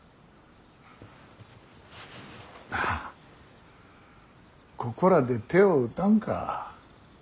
なあここらで手を打たんか。